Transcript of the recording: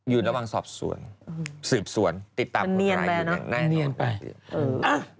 อยู่ระวังสอบสวนสูบสวนติดตามคนร้ายอยู่แน่นอนนเนี่ยก่อนนะครับว่าดีครับ